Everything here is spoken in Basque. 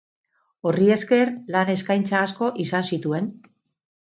Horri esker lan eskaintza asko izan zituen.